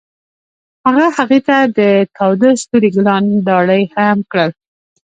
هغه هغې ته د تاوده ستوري ګلان ډالۍ هم کړل.